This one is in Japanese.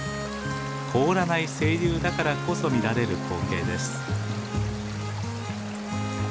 凍らない清流だからこそ見られる光景です。